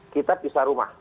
kita pisah rumah